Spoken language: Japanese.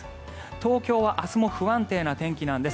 東京は明日も不安定な天気なんです。